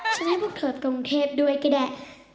จะให้พวกเธอกรุงเทพด้วยก็ได้